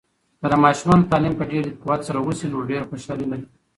که د ماشومانو تعلیم په ډیر قوت سره وسي، نو ډیر خوشحالي لري.